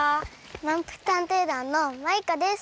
まんぷく探偵団のマイカです。